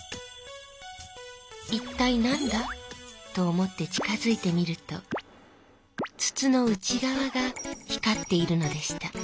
いったいなんだと思って近づいてみると筒の内がわが光っているのでした。